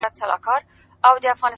د فکر ازادي ستر ځواک دی!